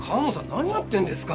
何やってんですか？